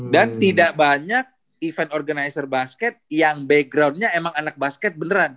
dan tidak banyak event organizer basket yang backgroundnya emang anak basket beneran